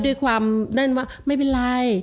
ด้วยความนั่นว่าไม่เป็นไร